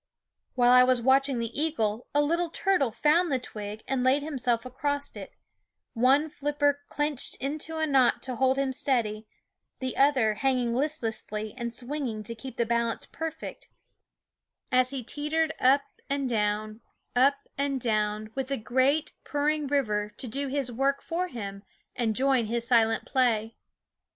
While I was watching the eagle a little turtle found the twig and laid himself across it, one flipper clinched into a knot to hold him steady, the others hang ing listlessly and swinging to keep the bal ance perfect as he teetered up and down, up and down, with the great, purring river to do his work for him and join his silent play.